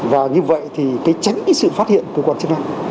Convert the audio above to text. và như vậy thì tránh sự phát hiện của cơ quan chức năng